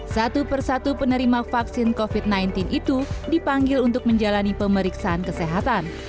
satu persatu penerima vaksin covid sembilan belas itu dipanggil untuk menjalani pemeriksaan kesehatan